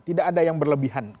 tidak ada yang berlebihan